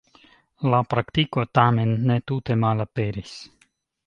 La praktiko, tamen, ne tute malaperis.